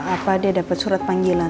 apa dia dapat surat panggilan